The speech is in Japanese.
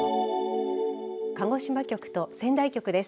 鹿児島局と仙台局です。